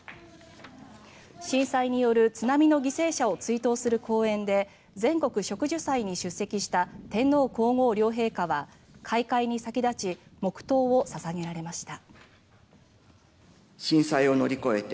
震災による津波の犠牲者を追悼する公園で全国植樹祭に出席した天皇・皇后両陛下は開会に先立ち黙祷を捧げられました。